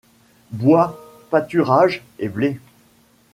Bois, pâturages et blé.